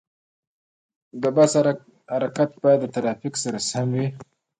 د بس حرکت باید د ترافیک سره سم وي.